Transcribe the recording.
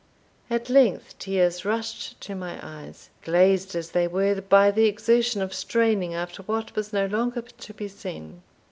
At length, tears rushed to my eyes, glazed as they were by the exertion of straining after what was no longer to be seen.